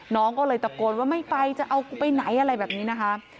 น้องก็เลยตะโกนว่าไม่ไปจะเอากูไปไหนอะไรแบบนี้นะคะ